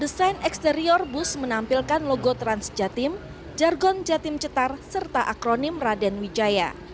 desain eksterior bus menampilkan logo transjatim jargon jatim cetar serta akronim raden wijaya